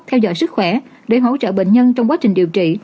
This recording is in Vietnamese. theo dõi sức khỏe để hỗ trợ bệnh nhân trong quá trình điều trị